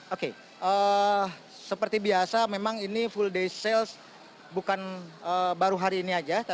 oke seperti biasa memang ini full day sale bukan baru hari ini aja